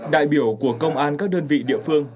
đại biểu của công an các đơn vị địa phương